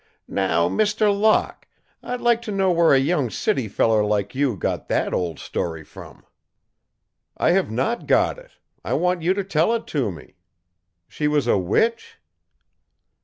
"Now, Mr. Locke! I'd like to know where a young city feller like you got that old story from?" "I have not got it. I want you to tell it to me. She was a witch?"